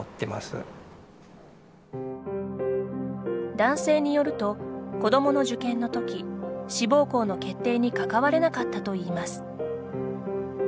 男性によると子どもの受験のとき志望校の決定に関われなかったといいます。